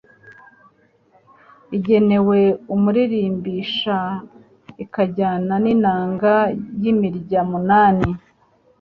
Igenewe umuririmbisha ikajyana n’inanga y’imirya munani